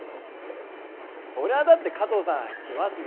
そりゃあ、だって、加藤さん、来ますよ。